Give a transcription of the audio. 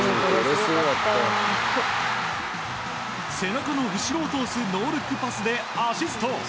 背中の後ろを通すノールックパスでアシスト。